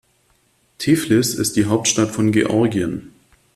Tiflis ist die Hauptstadt von Georgien.